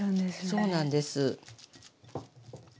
そうなんです。